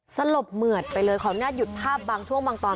สลบเหมือดไปเลยขออนุญาตหยุดภาพบางช่วงบางตอน